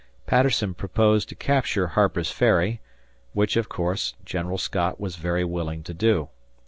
Patterson proposed to capture Harper's Ferry, which, of course, General Scott was very willing to do.